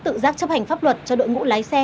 tự giác chấp hành pháp luật cho đội ngũ lái xe